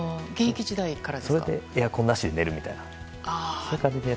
それでエアコンなしで寝るみたいな。